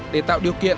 để tạo điều kiện